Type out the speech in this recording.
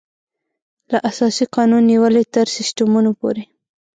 له اساسي قانون نېولې تر سیسټمونو پورې.